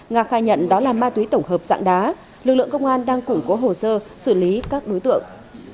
nga khai nhận đó là ma túy tổng hợp dạng đá lực lượng công an đang củng cố hồ sơ xử lý các đối tượng